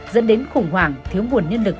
dẫn đến khủng hoảng thiếu nguồn nhân lực